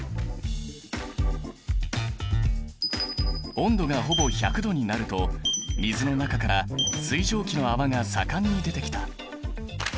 温度がほぼ１００℃になると水の中から水蒸気の泡が盛んに出てきた。